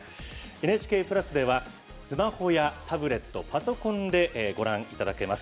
ＮＨＫプラスではスマホやタブレットパソコンでご覧いただけます。